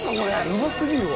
うますぎるわ。